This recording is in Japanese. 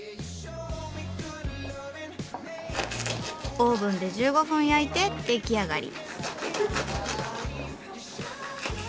オーブンで１５分焼いて出来上がり。